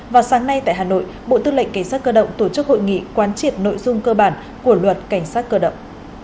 vào sáng nay tại hà nội bộ tư lệnh cảnh sát cơ động tổ chức hội nghị quán triệt nội dung cơ bản của luật cảnh sát cơ động